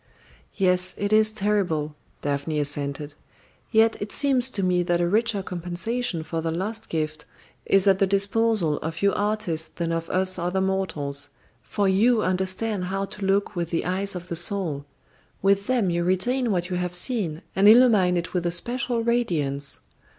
"Yes, it is terrible," Daphne assented. "Yet it seems to me that a richer compensation for the lost gift is at the disposal of you artists than of us other mortals, for you understand how to look with the eyes of the soul. With them you retain what you have seen, and illumine it with a special radiance.